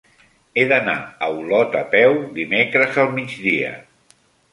He d'anar a Olot a peu dimecres al migdia.